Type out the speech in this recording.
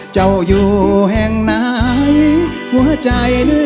เจ้าอยู่แห่งไหนหัวใจเหลือลอย